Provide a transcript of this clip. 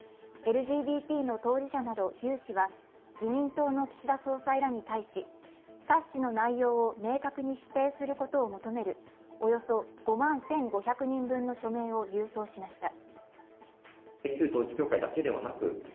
ＬＧＢＴの当事者など有志は、自民党の岸田総裁らに対し、冊子の内容を明確に否定することを求める、およそ５万１５００人分の署名を郵送しました。